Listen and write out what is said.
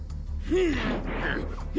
フン！